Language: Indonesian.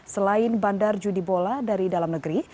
selain bandar judi bola dari dalam negeri